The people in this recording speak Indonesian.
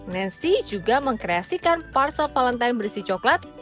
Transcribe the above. nancy juga mengkreasikan parcel valentine bersih coklat